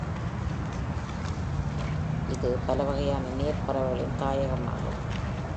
இது பலவகையான நீர் பறவைகளின் தாயகமாகும்.